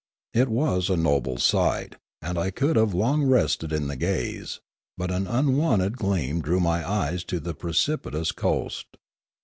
It was a noble sight, and I could have long rested in the gaze: but an unwonted gleam drew my eyes to the precipitous coast.